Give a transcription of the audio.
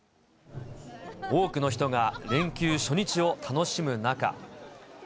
多くの人が連休初日を楽しむ中。